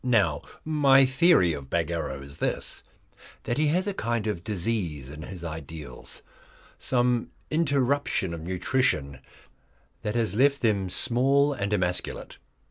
Now my theory of Bagarrow is this, that he has a kind of disease in his ideals, some interruption of nutrition that has left them small and emasculate.